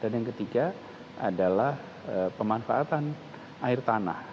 dan yang ketiga adalah pemanfaatan air tanah